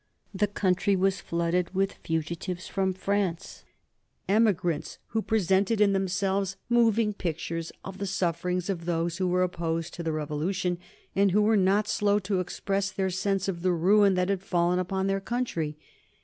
The country was flooded with fugitives from France, emigrants who presented in themselves moving pictures of the sufferings of those who were opposed to the Revolution, and who were not slow to express their sense of the ruin that had fallen upon their country.